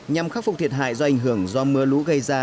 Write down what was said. nhằm khắc phục thiệt hại do ảnh hưởng do mưa lũ gây ra